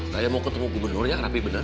saya mau ketemu gubernurnya rapi benar